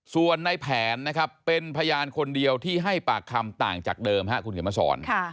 ส่วนในแผนนะครับเป็นพยานคนเดียวที่ให้ปากคำต่างจากเดิมคุณเขียนมาสอน